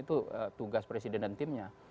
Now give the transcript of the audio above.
itu tugas presiden dan timnya